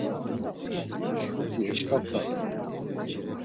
Şǩuti eşǩaft̆aten.